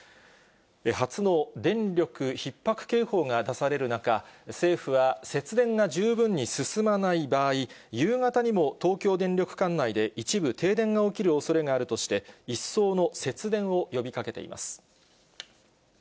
初の電力ひっ迫警報が出される中、政府は、節電が十分に進まない場合、夕方にも、東京電力管内で一部、停電が起きるおそれがあるとして、一層の節電を呼びかけています。